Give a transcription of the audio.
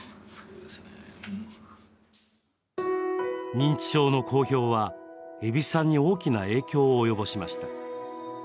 認知症の公表は、蛭子さんに大きな影響を及ぼしました。